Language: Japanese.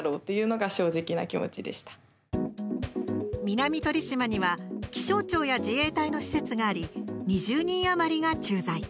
南鳥島には気象庁や自衛隊の施設があり２０人余りが駐在。